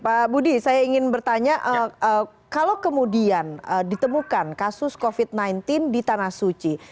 pak budi saya ingin bertanya kalau kemudian ditemukan kasus covid sembilan belas di tanah suci